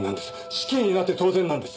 死刑になって当然なんです！